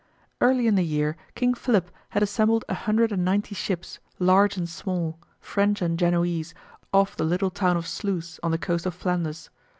Early in the year King Philip had assembled a hundred and ninety ships, large and small, French and Genoese, off the little town of Sluys on the coast of Flanders.